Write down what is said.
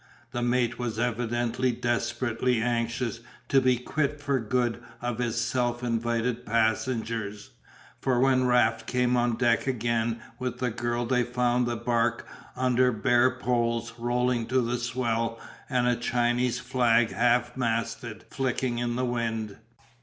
The mate was evidently desperately anxious to be quit for good of his self invited passengers, for when Raft came on deck again with the girl they found the barque under bare poles rolling to the swell and a Chinese flag half masted flicking in the wind.